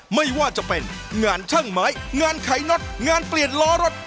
ไม่ว่าจะเป็นงานช่างไม้งานไขน็อตงานเปลี่ยนล้อรถ